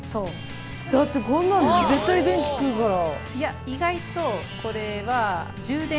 だってこんなん絶対電気食うから。